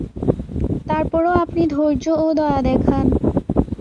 তারপর ও আপনি ধৈর্য ও দয়া দেখান।